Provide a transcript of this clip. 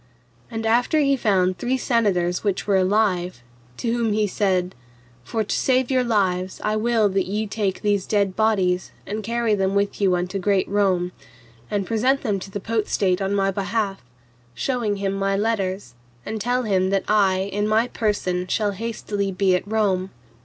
And after he found three senators which were alive, to whom he said, For to save your lives I will that ye take these dead bodies, and carry them with you unto great Rome, and present them to the Potestate on my behalf, shewing him my letters, and tell them that I in my person shall hastily be at Rome.